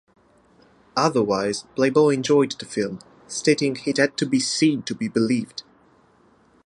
Otherwise, "Playboy" enjoyed the film, stating it had to be "seen to be believed".